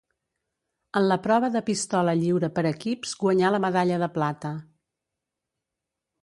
En la prova de Pistola lliure per equips guanyà la medalla de plata.